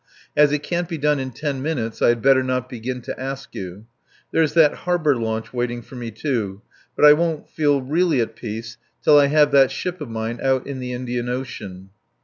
As it can't be done in ten minutes I had better not begin to ask you. There's that harbour launch waiting for me, too. But I won't feel really at peace till I have that ship of mine out in the Indian Ocean."